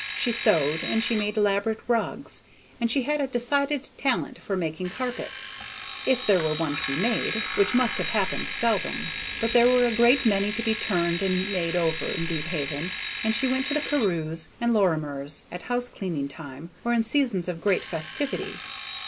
She sewed, and she made elaborate rugs, and she had a decided talent for making carpets, if there were one to be made, which must have happened seldom. But there were a great many to be turned and made over in Deephaven, and she went to the Carews' and Lorimers' at house cleaning time or in seasons of great festivity.